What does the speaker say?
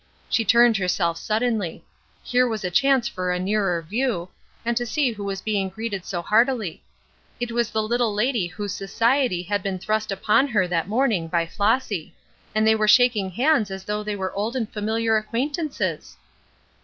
She turned herself suddenly. Here was a chance for a nearer view, and to see who was being greeted so heartily. It was the little lady whose society had been thrust upon her that morning by Flossy. And they were shaking hands as though they were old and familiar acquaintances!